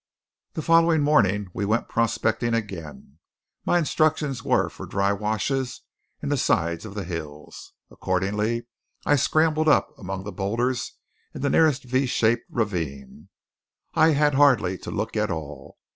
The following morning we went prospecting again. My instructions were for the dry washes in the sides of the hills. Accordingly I scrambled up among the boulders in the nearest V shaped ravine. I had hardly to look at all.